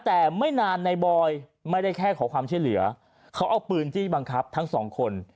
แต่ไม่นานในบอยไม่ได้แค่ขอความช่วยเหลือเขาเอาปืนจี้บังคับทั้งสองคน